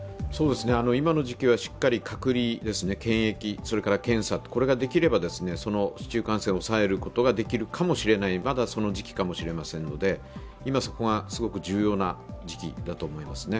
今の時期はしっかり隔離、検疫、それから検査、これができれば市中感染を抑えることができるかもしれない、まだその時期かもしれませんので、今、そこがすごく重要な時期だと思いますね。